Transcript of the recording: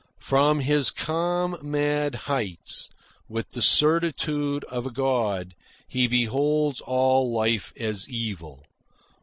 From his calm mad heights, with the certitude of a god, he beholds all life as evil.